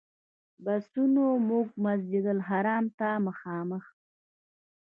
بسونو موږ مسجدالحرام ته مخامخ.